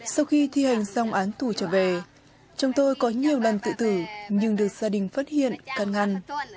sau khi thi hành xong án tù trở về chồng tôi có nhiều lần tự tử nhưng được gia đình phát hiện can ngăn